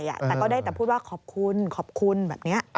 แต่ก็ได้แต่พูดว่าขอบคุณขอบคุณแบบนี้